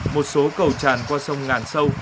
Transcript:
một số cầu tràn qua sông ngàn sâu